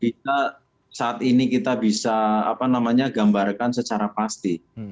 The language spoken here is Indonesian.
kita saat ini kita bisa apa namanya gambarkan secara pasti